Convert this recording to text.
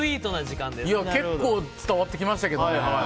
結構、伝わってきましたけども。